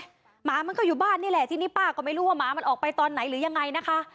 หมามันก็อยู่บ้านนี่แหละทีนี้ป้าก็ไม่รู้ว่าหมามันออกไปตอนไหนหรือยังไงนะคะ